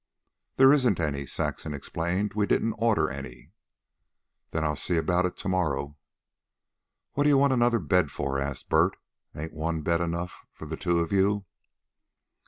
"There isn't any," Saxon explained. "We didn't order any." "Then I'll see about it to morrow." "What d'ye want another bed for?" asked Bert. "Ain't one bed enough for the two of you?"